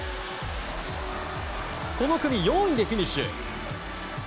この組４位でフィニッシュ。